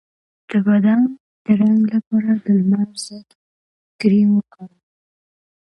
د بدن د رنګ لپاره د لمر ضد کریم وکاروئ